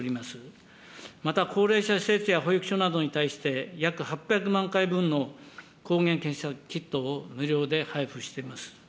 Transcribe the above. また高齢者施設や保育所などに対して、約８００万回分の抗原検査キットを無料で配布しています。